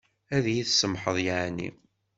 Ad yi-tsamḥeḍ yeεni?